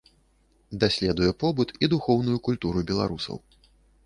Даследуе побыт і духоўную культуру беларусаў.